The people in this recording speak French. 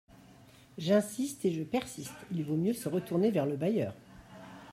J’insiste et je persiste : il vaut mieux se retourner vers le bailleur.